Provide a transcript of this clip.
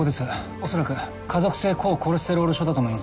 おそらく家族性高コレステロール症だと思います。